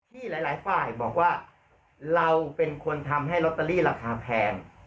ที่หลายฝ่ายบอกว่าเราเป็นคนทำให้ลอตเตอรี่ราคาแพง